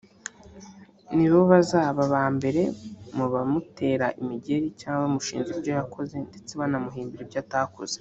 nibo bazaba aba mbere mu bamutera imigeri cyangwa bamushinja ibyo yakoze ndetse banamuhimbira ibyo atakoze